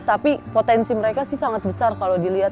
tapi potensi mereka sih sangat besar kalau dilihat